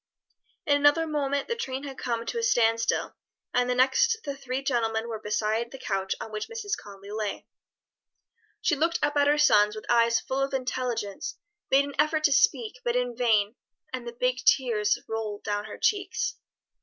In another moment the train had come to a stand still, and the next the three gentlemen were beside the couch on which Mrs. Conly lay. She looked up at her sons with eyes full of intelligence, made an effort to speak, but in vain; and the big tears rolled down her cheeks.